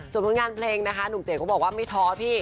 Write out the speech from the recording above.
ส่วนผลงานเพลงนะคะหนุ่มเต๋ก็บอกว่าไม่ท้อพี่